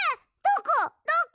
どこ？